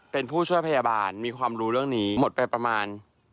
เป็นผู้ช่วยพยาบาลมีความรู้เรื่องนี้หมดไปประมาณ